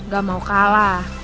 gak mau kalah